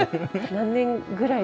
何年ぐらいで。